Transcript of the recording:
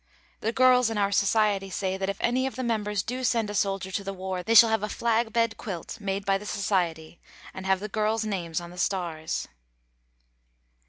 The girls in our society say that if any of the members do send a soldier to the war they shall have a flag bed quilt, made by the society, and have the girls' names on the stars.